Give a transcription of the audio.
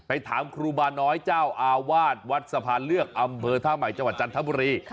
ถามครูบาน้อยเจ้าอาวาสวัดสะพานเลือกอำเภอท่าใหม่จังหวัดจันทบุรี